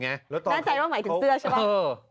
้าตอนก็นั่นใช่ว่าหมายถึงเสื้อใช่ป้ะ